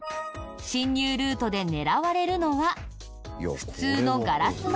侵入ルートで狙われるのは普通のガラス窓？